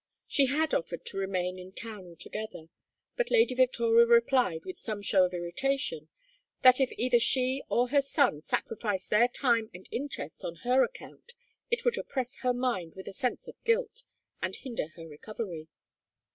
She had offered to remain in town altogether, but Lady Victoria replied with some show of irritation that if either she or her son sacrificed their time and interests on her account it would oppress her mind with a sense of guilt, and hinder her recovery.